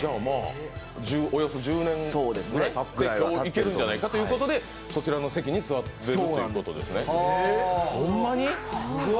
およそ１０年ぐらいたって今日いけるなじゃないかということでこちらの席に座っているということですね、ホンマに？